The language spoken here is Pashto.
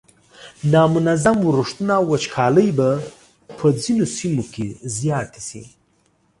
نامنظم ورښتونه او وچکالۍ به په ځینو سیمو کې زیاتې شي.